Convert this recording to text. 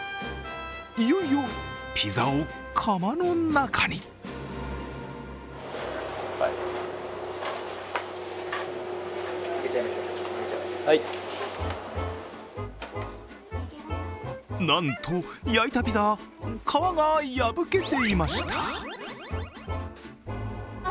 いよいよ、ピザを窯の中になんと焼いたピザ、皮が破けていました。